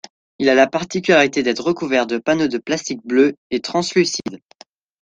Il a la particularité d'être recouvert de panneaux de plastiques bleus et translucides.